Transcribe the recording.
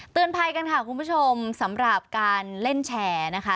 ภัยกันค่ะคุณผู้ชมสำหรับการเล่นแชร์นะคะ